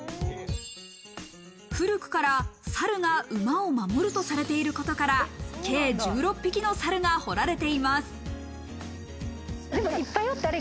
古くから猿が馬を守るとされていることから、計１６匹の猿が彫られています。